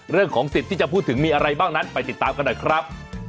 เรื่องของสิทธิ์ที่จะพูดถึงมีอะไรบ้างนั้นไปติดตามกันหน่อยครับ